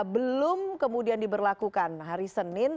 belum kemudian diberlakukan hari senin